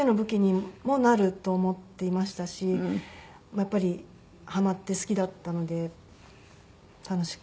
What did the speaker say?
やっぱりハマって好きだったので楽しく。